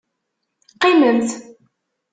Qqimemt!